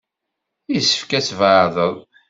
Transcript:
Yessefk ad tbeɛdeḍ.